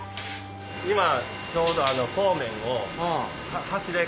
今ちょうど。